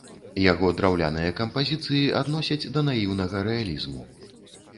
Яго драўляныя кампазіцыі адносяць да наіўнага рэалізму.